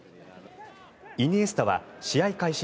イニエスタは試合開始